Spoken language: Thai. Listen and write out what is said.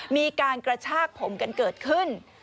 มีการกระชากผมกันเกิดขึ้น